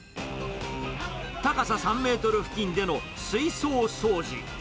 高さ３メートル付近での水槽掃除。